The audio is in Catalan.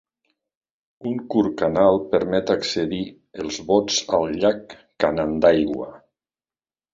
Un curt canal permet accedir els bots al llac Canandaigua.